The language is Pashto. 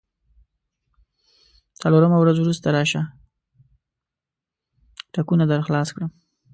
څلورمه ورځ وروسته راشه، ټکونه درخلاص کړم.